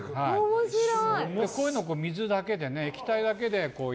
面白い。